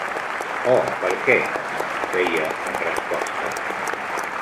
Oh, «Perquè»—feia en resposta.